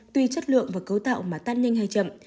tuy chất lượng và cấu tạo mà tan nhanh hay chậm